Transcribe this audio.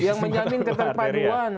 yang menyamin keterpaduan